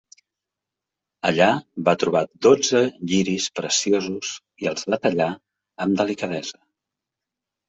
Allà va trobar dotze lliris preciosos i els va tallar amb delicadesa.